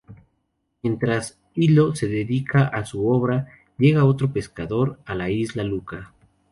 Mientras Ilo se dedica a su obra, llega otro pescador a la isla, Luca.